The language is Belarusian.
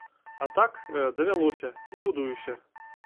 А так, давялося, і будуюся.